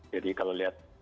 jadi kalau lihat